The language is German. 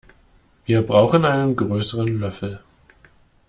Wir brauchen einen größeren Löffel.